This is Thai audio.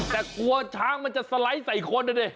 แต่กลัวช้างมันจะสไลด์ใส่คนนะดิ